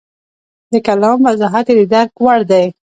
د کلام وضاحت یې د درک وړ دی.